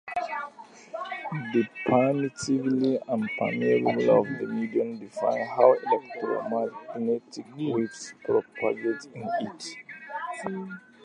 The permittivity and permeability of the medium define how electromagnetic waves propagate in it.